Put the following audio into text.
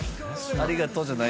「ありがとう」じゃない。